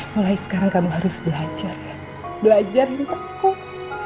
mulai sekarang kamu harus belajar ya belajar yang tepung